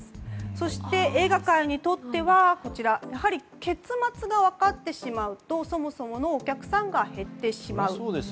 そして映画界にとってはやはり結末が分かってしまうとそもそものお客さんが減ってしまう。